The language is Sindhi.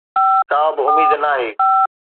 ڪا به اميد ناهي